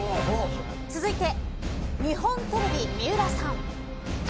続いて日本テレビ、三浦さん。